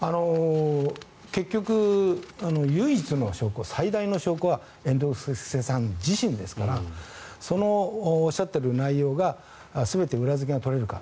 結局、唯一の証拠最大の証拠は猿之助さん自身ですからそのおっしゃっている内容が全て裏付けが取れるか。